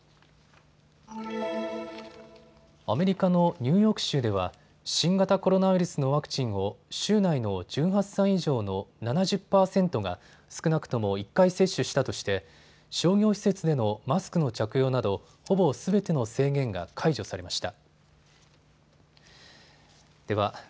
アメリカのニューヨーク州では新型コロナウイルスのワクチンを州内の１８歳以上の７０％が少なくとも１回接種したとして、商業施設でのマスクの着用などほぼすべての制限が解除されました。